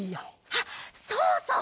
あっそうそう！